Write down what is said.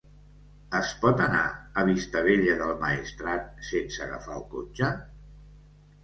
Es pot anar a Vistabella del Maestrat sense agafar el cotxe?